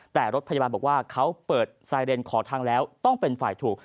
แต่รถพยาบาลบอกว่าเขาเปิดไซเรนขอทางแล้วต้องเป็นฝ่ายถูก